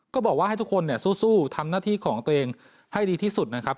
ก็บอกว่าให้ทุกคนเนี่ยสู้ทำหน้าที่ของตัวเองให้ดีที่สุดนะครับ